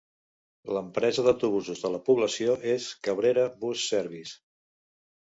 L'empresa d'autobusos de la població és Cabrera's Bus Service.